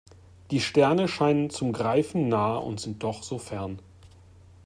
Die Sterne scheinen zum Greifen nah und sind doch so fern.